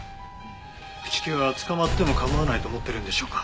朽木は捕まっても構わないと思ってるんでしょうか？